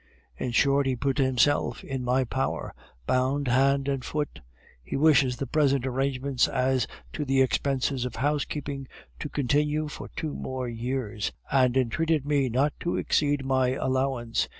In short, he put himself in my power, bound hand and foot. He wishes the present arrangements as to the expenses of housekeeping to continue for two more years, and entreated me not to exceed my allowance.